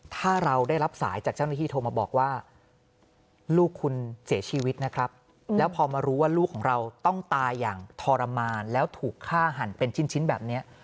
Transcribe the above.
ถ้าเราได้รับสายจากเจ้าหน้าที่โทรมาบอกว่าลูกคุณเสียชีวิตนะครับแล้วพอมารู้ว่าลูกของเราต้องตายอย่างทรมานแล้วถูกฆ่าหันเป็นชิ้นแบบนี้